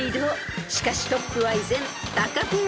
［しかしトップは依然タカペア］